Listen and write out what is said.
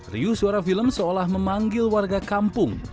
riu suara film seolah memanggil warga kampung